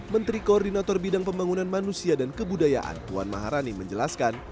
menteri koordinator bidang pembangunan manusia dan kebudayaan puan maharani menjelaskan